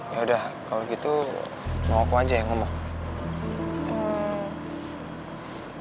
yaudah kalo gitu mau aku aja yang ngomong